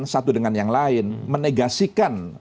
satu dengan yang lain menegasikan